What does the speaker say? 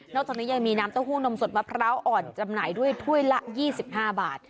จากนี้ยังมีน้ำเต้าหู้นมสดมะพร้าวอ่อนจำหน่ายด้วยถ้วยละ๒๕บาท